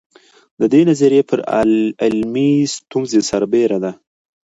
د دې نظریې پر علمي ستونزې سربېره ده.